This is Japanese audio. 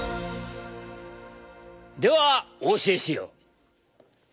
ではお教えしよう。